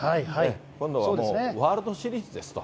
今度はもうワールドシリーズですと。